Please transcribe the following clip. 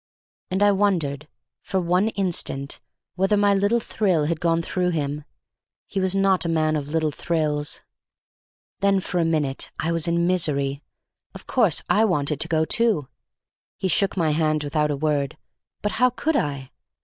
And I wondered—for one instant—whether my little thrill had gone through him. He was not a man of little thrills. Then for a minute I was in misery. Of course I wanted to go too—he shook my hand without a word—but how could I?